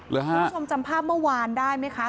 คุณผู้ชมจำภาพเมื่อวานได้ไหมคะ